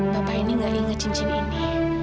bapak ini nggak ingat jinjin ini